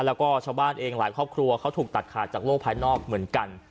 แล้วก็ชาวบ้านเองหลายครอบครัวเขาถูกตัดขาดจากโลกภายนอกเหมือนกัน